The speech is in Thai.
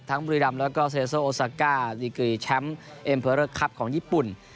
บุรีรำแล้วก็เซโซโอซาก้าดีกรีแชมป์เอ็มเพอร์เลอร์คลับของญี่ปุ่น